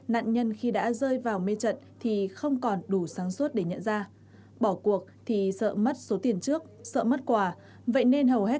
hãy đăng ký kênh để ủng hộ kênh của mình nhé